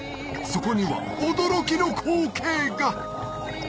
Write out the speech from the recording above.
そこには驚きの光景が！